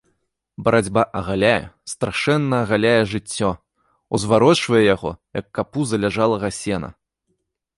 Барацьба агаляе, страшэнна агаляе жыццё, узварочвае яго, як капу заляжалага сена.